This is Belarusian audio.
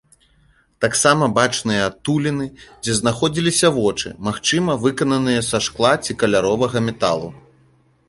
Таксама бачныя адтуліны, дзе знаходзіліся вочы, магчыма, выкананыя са шкла ці каляровага металу.